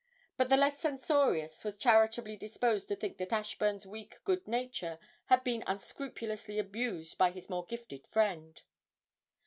but the less censorious were charitably disposed to think that Ashburn's weak good nature had been unscrupulously abused by his more gifted friend.